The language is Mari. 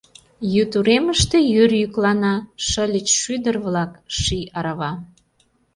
Йӱд уремыште йӱр йӱклана, Шыльыч шӱдыр-влак — ший арава.